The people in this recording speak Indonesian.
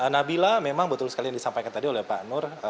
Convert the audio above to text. nabila memang betul sekali yang disampaikan tadi oleh pak nur